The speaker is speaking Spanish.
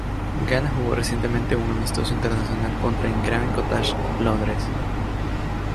Ghana jugó recientemente un amistoso internacional contra en Craven Cottage, Londres.